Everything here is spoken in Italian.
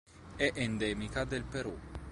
È endemica del Perù.